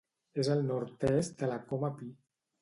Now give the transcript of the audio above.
És al nord-est de la Coma Pi.